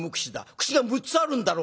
口が６つあるんだろう？